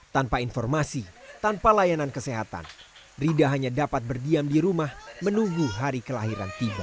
tanpa informasi tanpa layanan kesehatan rida hanya dapat berdiam di rumah menunggu hari kelahiran tiba